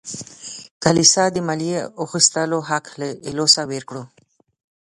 کلیسا د مالیې اخیستلو حق له لاسه ورکړ.